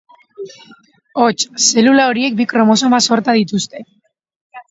Hots, zelula horiek bi kromosoma sorta dituzte.